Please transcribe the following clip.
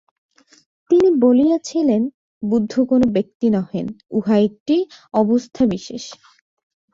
তিনি বলিয়াছিলেন বুদ্ধ কোন ব্যক্তি নহেন, উহা একটি অবস্থাবিশেষ।